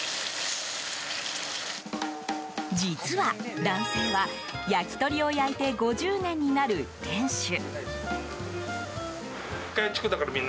実は男性は、焼き鳥を焼いて５０年になる店主。